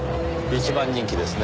一番人気ですね